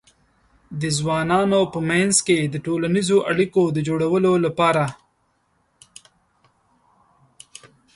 د ځوانانو په منځ کې د ټولنیزو اړیکو د جوړولو لپاره